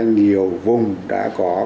nhiều vùng đã có